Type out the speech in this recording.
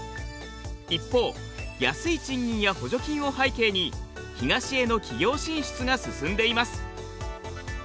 一方安い賃金や補助金を背景に東への企業進出が進んでいます。